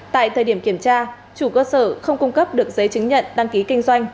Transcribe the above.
tại thời điểm kiểm tra chủ cơ sở không cung cấp được giấy chứng nhận đăng ký kinh doanh